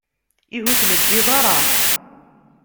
Ihi ur tleddiḍ ara?